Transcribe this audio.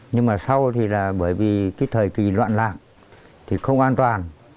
nhưng mà sau thì là bởi vì cái thời kỳ loạn lạc thì không an toàn